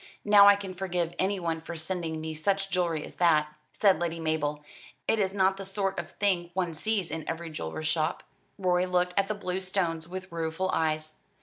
"Now I can forgive anyone for sending me such jewellery as that," said Lady Mabel. "It is not the sort of thing one sees in every jeweller's shop." Rorie looked at the blue stones with rueful eyes.